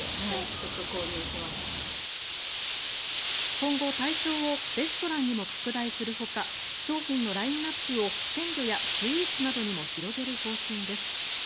今後、対象をレストランにも拡大するほか商品のラインアップを鮮魚やスイーツなどにも広げる方針です。